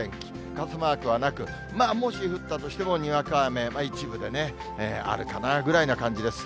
傘マークはなく、もし降ったとしてもにわか雨、一部でね、あるかなぐらいな感じです。